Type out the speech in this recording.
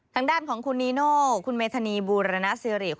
ทางด้านของคุณนีโน่คุณเมธานีบูรณสิริ